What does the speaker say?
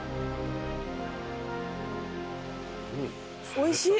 おいしい！